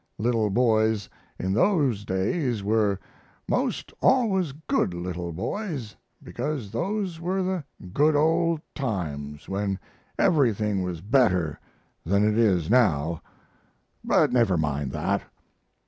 Little boys in those days were 'most always good little boys, because those were the good old times when everything was better than it is now, but never mind that.